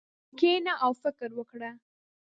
کښېنه او فکر وکړه.